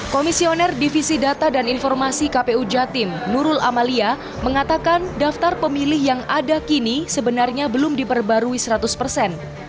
komisioner divisi data dan informasi kpu jatim nurul amalia mengatakan daftar pemilih yang ada kini sebenarnya belum diperbarui seratus persen